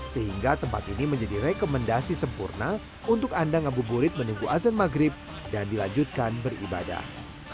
sehingga tempat ini menjadi rekomendasi sempurna untuk anda ngabuburit menunggu azan maghrib dan dilanjutkan beribadah